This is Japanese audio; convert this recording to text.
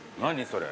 それ。